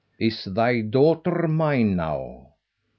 "Is thy daughter mine now?"